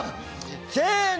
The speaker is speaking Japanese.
せの。